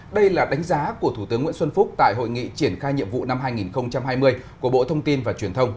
đây là đánh giá của thủ tướng nguyễn xuân phúc tại hội nghị triển khai nhiệm vụ năm hai nghìn hai mươi của bộ thông tin và truyền thông